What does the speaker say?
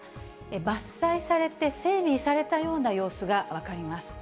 伐採されて整備されたような様子が分かります。